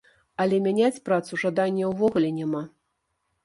Але мяняць працу жадання ўвогуле няма.